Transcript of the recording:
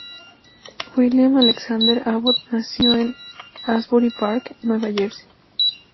William Alexander Abbott nació en Asbury Park, Nueva Jersey.